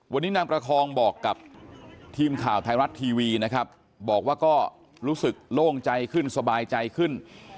วันนี้นางประคองบอกกับทีมข่าวไทยรัฐทีวีนะครับบอกว่าก็รู้สึกโล่งใจขึ้นสบายใจขึ้น